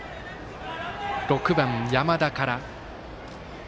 ６番、山田から。